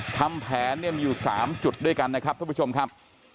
ทำแผนเนี่ยมีอยู่๓จุดด้วยกันนะครับท่านผู้ชมครับ